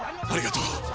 ありがとう！